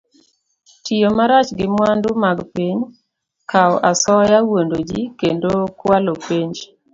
Tiyo marach gi mwandu mag piny, kawo asoya, wuondo ji, kendo kwalo penj